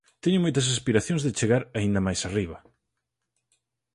Teño moitas aspiracións de chegar aínda máis arriba.